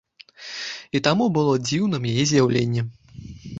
І таму было дзіўным яе з'яўленне.